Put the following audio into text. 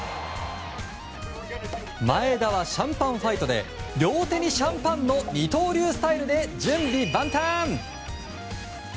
前田はシャンパンファイトで両手にシャンパンの二刀流スタイルで準備万端。